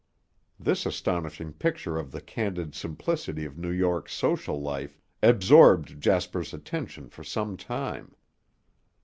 This astonishing picture of the candid simplicity of New York's social life absorbed Jasper's attention for some time.